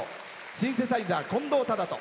シンセサイザー、近藤斉人。